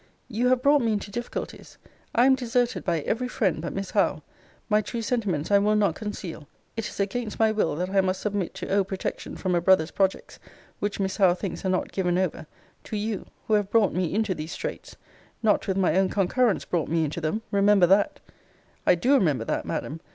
You have brought me into difficulties. I am deserted by every friend but Miss Howe. My true sentiments I will not conceal it is against my will that I must submit to owe protection from a brother's projects, which Miss Howe thinks are not given over, to you, who have brought me into these straights: not with my own concurrence brought me into them; remember that I do remember that, Madam!